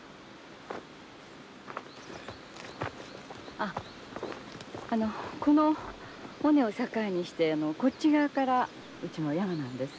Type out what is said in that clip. あっあのこの尾根を境にしてこっち側からうちの山なんです。